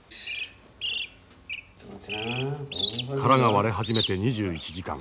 殻が割れ始めて２１時間。